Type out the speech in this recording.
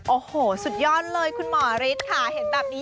โอ้โหสุดยอดเลยคุณหมอฤทธิ์ค่ะเห็นแบบนี้